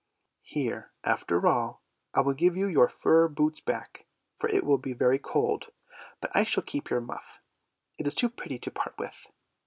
" Here, after all, I will give you your fur boots back, for it will be very cold, but I will keep your muff, it is too pretty to part with.